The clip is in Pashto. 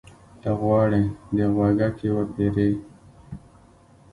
ته غواړې د غوږيکې وپېرې؟